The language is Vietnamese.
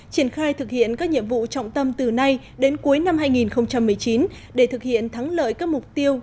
triển khai thực hiện các nhiệm vụ trọng tâm từ nay đến cuối năm hai nghìn một mươi chín để thực hiện thắng lợi các mục tiêu